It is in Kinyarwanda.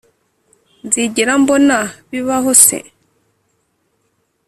nzigera mbona bibaho se